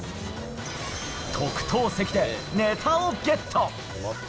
特等席でねたをゲット。